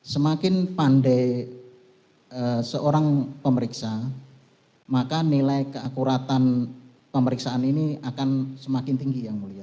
semakin pandai seorang pemeriksa maka nilai keakuratan pemeriksaan ini akan semakin tinggi yang mulia